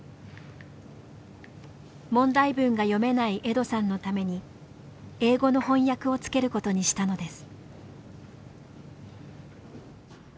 問題文が読めないエドさんのために英語の翻訳をつけることにしたのです。